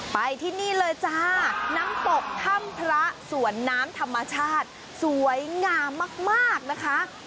ไปที่นี่เลยจ้าน้ำตกถ้ำพระสวนน้ำธรรมชาติสวยงามมากนะคะ